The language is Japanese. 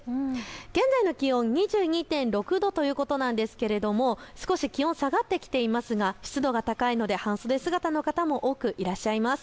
現在の気温２２．６度ということなんですけれども少し気温が下がっていますが湿度が高いので半袖姿の方も多くいらっしゃいます。